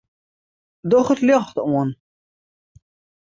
Doch it ljocht oan.